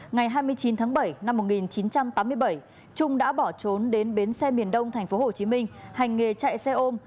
ngày hai mươi chín tháng bảy năm một nghìn chín trăm tám mươi bảy trung đã bỏ trốn đến bến xe miền đông thành phố hồ chí minh hành nghề chạy xe ôm